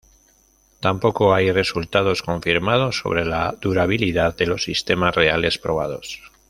Tampoco hay resultados confirmados sobre la durabilidad de los sistemas reales probados.